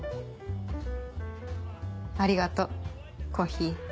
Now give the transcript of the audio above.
ありがとうコッヒー。